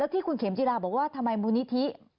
ที่คุณเข็มจิราบอกว่าทำไมมูลนิธิ